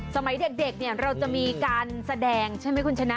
สมัยเด็กเนี่ยเราจะมีการแสดงใช่ไหมคุณชนะ